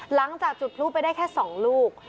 หลังจากจุดพลุไปได้แค่๒ลูก